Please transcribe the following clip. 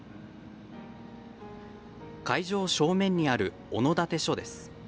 会場正面にあるお野立所です。